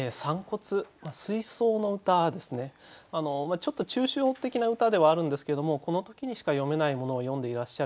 ちょっと抽象的な歌ではあるんですけれどもこの時にしか詠めないものを詠んでいらっしゃる。